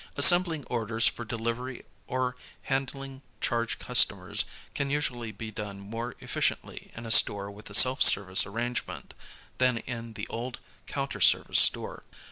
Assembling orders for delivery or handling charge customers can usually be done more efficient ly in a store with a self service arrangement than in the old counter service store.